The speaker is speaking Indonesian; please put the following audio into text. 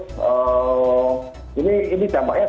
karena kalau dibiarkan terus menerus